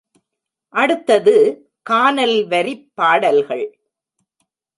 அடுத்தது கானல் வரிப் பாடல்கள்.